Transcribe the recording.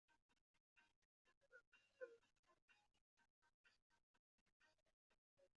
该片以梦境式的叙述呈现。